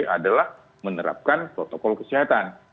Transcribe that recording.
adalah menerapkan protokol kesehatan